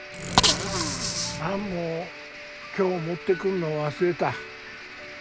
何も今日持ってくるの忘れた。